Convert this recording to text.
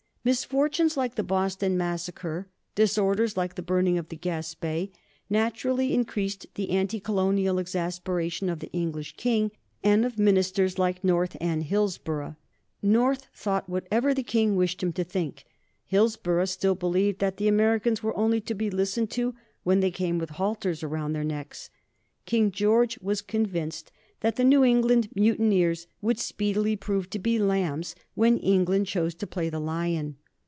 Misfortunes like the Boston Massacre, disorders like the burning of the "Gaspee," naturally increased the anti colonial exasperation of the English King and of ministers like North and Hillsborough. North thought whatever the King wished him to think. Hillsborough still believed that the Americans were only to be listened to when they came with halters around their necks. King George was convinced that the New England mutineers would speedily prove to be lambs when England chose to play the lion.